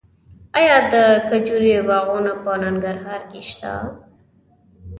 آیا د کجورې باغونه په ننګرهار کې شته؟